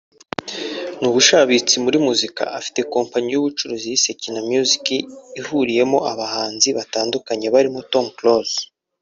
ni ubushabitsi muri muzika afite kompanyi y’ubucuruzi yise Kina Music ihuriyemo abahanzi batandukanye barimo Tom Close